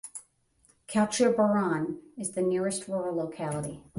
Kalchirburan is the nearest rural locality.